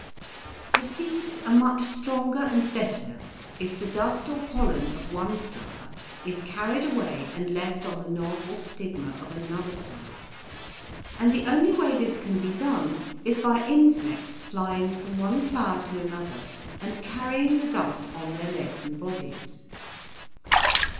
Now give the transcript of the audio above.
The seeds are much stronger and better if the dust or pollen of one flower is carried away and left on the knob or stigma of another flower; and the only way this can be done is by insects flying from one flower to another and carrying the dust on their legs and bodies.